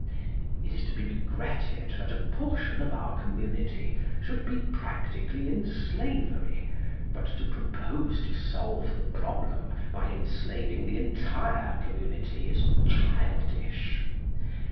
It is to be regretted that a portion of our community should be practically in slavery, but to propose to solve the problem by enslaving the entire community is childish.